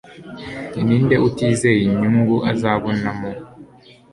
Ninde utizeye inyungu azabonamo